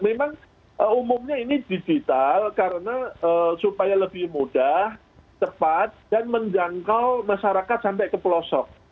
memang umumnya ini digital karena supaya lebih mudah cepat dan menjangkau masyarakat sampai ke pelosok